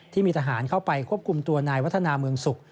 ที่มีทหารเข้าไปควบคุมตัวนายวัฒนาเมืองสุข